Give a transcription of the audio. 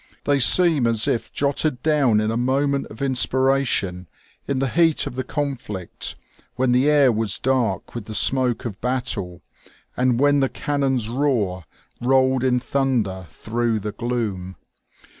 They seem as if jotted down in a moment of inspiration in the heat of the conflict, when the air was dark with the smoke of battle and when the cannons' roar rolled in thunder through the gloom.